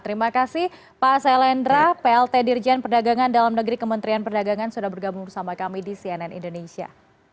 terima kasih pak selendra plt dirjen perdagangan dalam negeri kementerian perdagangan sudah bergabung bersama kami di cnn indonesia